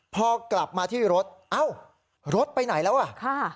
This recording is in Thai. พอกลับมาที่รถเอ้ารถไปไหนแล้วอ่ะค่ะ